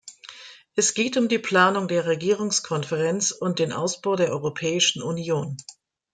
Es geht um die Planung der Regierungskonferenz und den Ausbau der Europäischen Union.